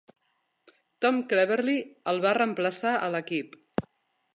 Tom Cleverley el va reemplaçar a l'equip.